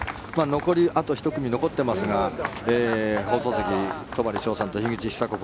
残りあと１組残っていますが放送席、戸張捷さんと樋口久子